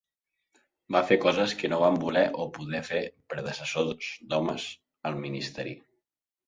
Va fer coses que no van voler o poder fer predecessors homes al ministeri.